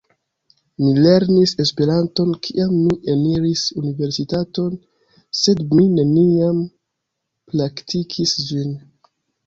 Mi lernis Esperanton kiam mi eniris universitaton, sed mi neniam praktikis ĝin.